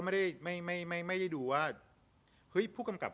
ไม่ได้ไม่ไม่ไม่ไม่ไม่ได้ดูว่าเฮ้ยผู้กำกราฟ